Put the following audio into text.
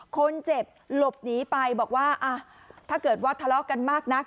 คนเจ็บหลบหนีไปบอกว่าถ้าเกิดว่าทะเลาะกันมากนัก